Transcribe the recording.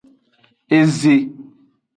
Eze.